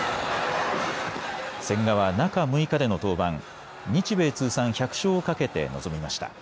千賀は中６日での登板、日米通算１００勝をかけて臨みました。